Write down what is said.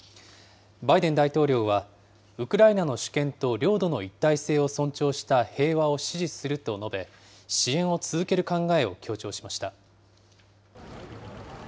バイデン大統領は、ウクライナの主権と領土の一体性を尊重した平和を支持すると述べ、支援を続ける考えを強調しました。